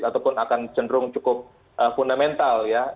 ataupun akan cenderung cukup fundamental ya